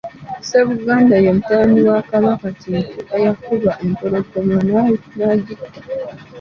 Ssebuganda ye mutabani wa Kabaka Kintu eyakuba empologoma n'agyitta.